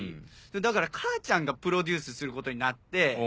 だから母ちゃんがプロデュースすることになって。